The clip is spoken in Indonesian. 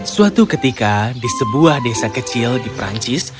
suatu ketika di sebuah desa kecil di perancis